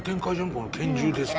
この「拳銃ですか」